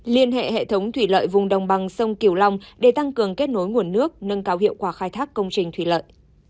liên hệ hệ thống thủy lợi vùng đồng bằng sông kiều long để tăng cường kết nối nguồn nước nâng cao hiệu quả khai thác công trình thủy lợi